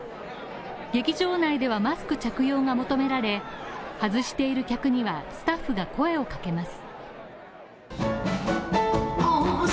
劇場内ではマスク着用が求められ、外している客にはスタッフが声をかけます。